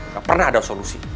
gak pernah ada solusi